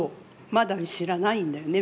まだ知らないんだよね